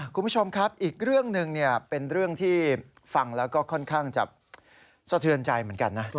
คุณผู้ชมครับอีกเรื่องหนึ่งเป็นเรื่องที่ฟังแล้วก็ค่อนข้างจะสะเทือนใจเหมือนกันนะ